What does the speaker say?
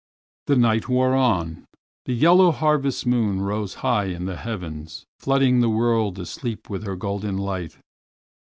The night wore on! The yellow harvest moon rose high in the heavens, flooding the world asleep with her golden light.